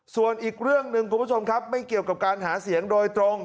ส่วนอีกเรื่องหนึ่งคุณผู้ชมครับไม่เกี่ยวกับการหาเสียงโดยตรง